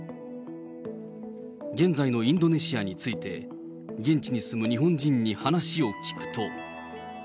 現在のインドネシアについて、現地に住む日本人に話を聞くと。